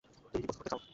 তুমি কি গোসল করতে চাও?